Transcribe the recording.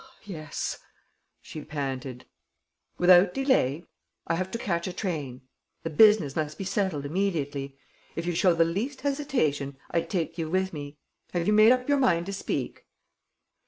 "Yes," she panted. "Without delay? I have to catch a train. The business must be settled immediately. If you show the least hesitation, I take you with me. Have you made up your mind to speak?"